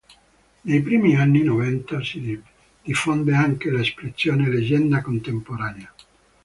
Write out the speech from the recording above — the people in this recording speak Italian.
Nei primi anni novanta si diffonde anche l'espressione leggenda contemporanea.